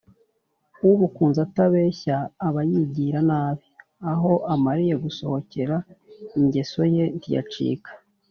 Ubukunze atabeshyaAba yigira nabi”Aho amariye gusorekaIngeso ye ntiyacika